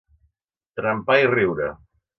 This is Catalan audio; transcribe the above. Trempar i riure.